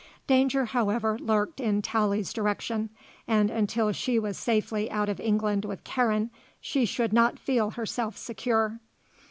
Danger, however, lurked in Tallie's direction, and until she was safely out of England with Karen she should not feel herself secure.